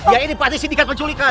ya ini pak siti kan penculikan